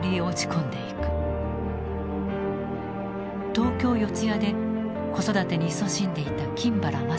東京・四ツ谷で子育てにいそしんでいた金原まさ子。